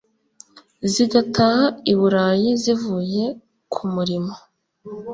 Zigataha i Bulayi zivuye ku murimo